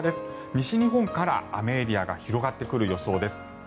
西日本から雨エリアが広がってくる予想です。